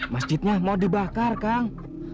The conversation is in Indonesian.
masjidnya mau dibakar kang